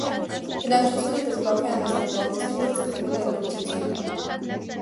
Բնակչութիւնը կը զբաղի անասնապահութեամբ եւ ծխախոտագործութեամբ։